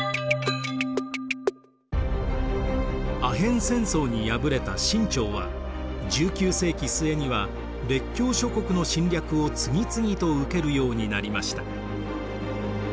アヘン戦争に敗れた清朝は１９世紀末には列強諸国の侵略を次々と受けるようになりました。